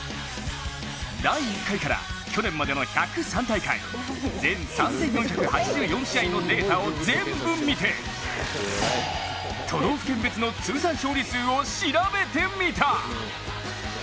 第１回から去年までの１０３回まで全３４８４試合のデータを全部見て都道府県別の通算勝利数を調べてみた！